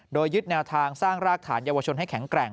โดยยึดแนวทางสร้างรากฐานเยาวชนให้แข็งแกร่ง